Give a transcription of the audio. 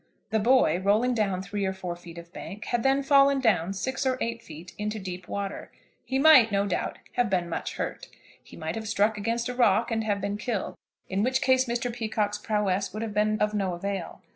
The boy, rolling down three or four feet of bank, had then fallen down six or eight feet into deep water. He might, no doubt, have been much hurt. He might have struck against a rock and have been killed, in which case Mr. Peacocke's prowess would have been of no avail.